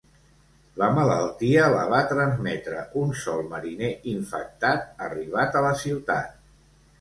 La malaltia la va transmetre un sol mariner infectat arribat a la ciutat.